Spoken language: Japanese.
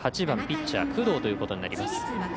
８番ピッチャー工藤ということになります。